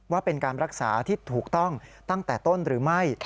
ว่าเป็นการรักษาที่ถูกต้องตั้งแต่ต้นหรือไม่